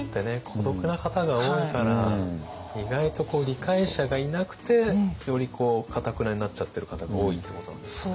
孤独な方が多いから意外とこう理解者がいなくてよりかたくなになっちゃってる方が多いってことなんですかね。